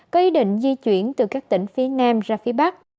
có ý định di chuyển từ các tỉnh phía nam ra phía bắc